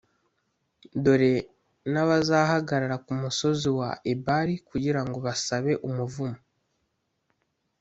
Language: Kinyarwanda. dore n’abazahagarara ku musozi wa ebali kugira ngo basabe umuvumo: